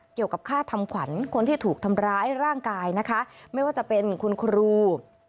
เกี่ยวกับค่าทำขวัญคนที่ถูกทำร้ายร่างกายนะคะไม่ว่าจะเป็นคุณครู